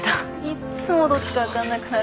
いっつもどっちか分かんなくなる。